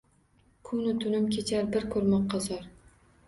Kunu tunim kechar bir ko‘rmoqqa zor